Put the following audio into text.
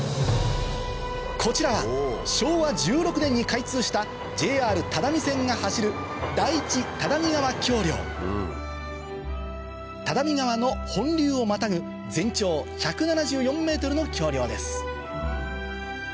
こちらは昭和１６年に開通したＪＲ只見線が走る只見川の本流をまたぐ全長１７４ｍの橋梁です